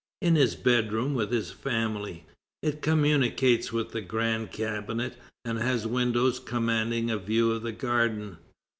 In his bedroom with his family. It communicates with the Grand Cabinet, and has windows commanding a view of the garden.